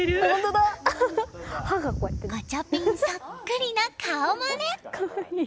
ガチャピンそっくりの顔まね！